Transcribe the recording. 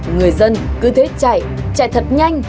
người dân cứ thế chạy chạy thật nhanh